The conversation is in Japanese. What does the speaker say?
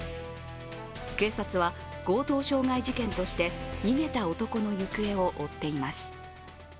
警察は、強盗傷害事件として逃げた男の行方を追っています。